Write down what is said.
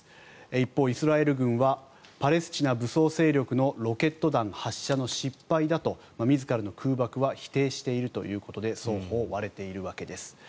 一方、イスラエル軍はパレスチナ武装勢力のロケット弾発射の失敗だと自らの空爆は否定しているということで双方、割れているわけです。